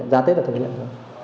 ra tết là thực hiện rồi